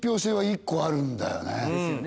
ですよね